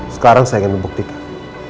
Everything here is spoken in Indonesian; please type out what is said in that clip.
sekarang saya ingin membuktikan